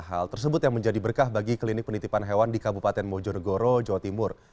hal tersebut yang menjadi berkah bagi klinik penitipan hewan di kabupaten mojonegoro jawa timur